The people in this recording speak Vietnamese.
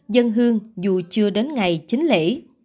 dân hương dù chưa đến ngày chính lễ